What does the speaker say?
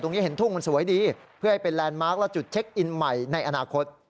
เห็นทุ่งมันสวยดีเพื่อให้เป็นแลนดมาร์คและจุดเช็คอินใหม่ในอนาคต